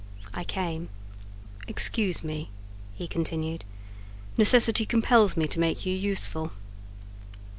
I came. "Excuse me," he continued: "necessity compels me to make you useful."